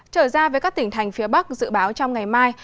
trở ra với các tỉnh thành phía bắc dự báo trong ngày mai